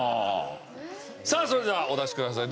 さあそれではお出しください。